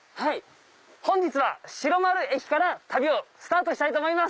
本日は白丸駅から旅をスタートしたいと思います。